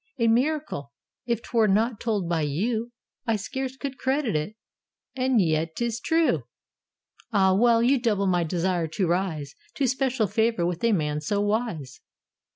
"A miracle! if 't were not told by you, I scarce should credit it." "And yet 't is true." "Ah, well, you double my desire to rise To special favor with a man so wise."